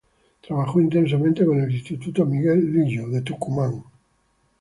Trabajó intensamente con el Instituto Miguel Lillo, Tucumán.